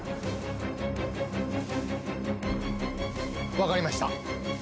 分かりました。